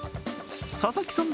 佐々木さん